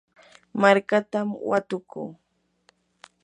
markatam watukuu.